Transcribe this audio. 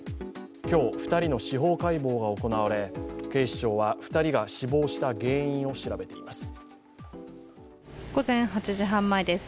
今日、２人の司法解剖が行われ、警視庁は２人が死亡した午前８時半前です。